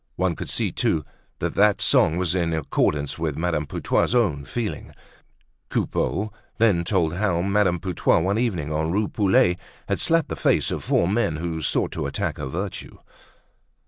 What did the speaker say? One could see too that that song was in accordance with Madame Putois's own feeling. Coupeau then told how Madame Putois, one evening on Rue Poulet, had slapped the face of four men who sought to attack her virtue.